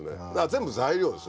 全部材料ですね。